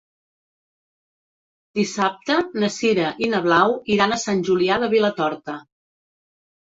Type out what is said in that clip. Dissabte na Sira i na Blau iran a Sant Julià de Vilatorta.